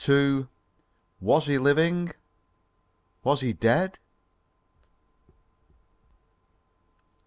II WAS HE LIVING? WAS HE DEAD?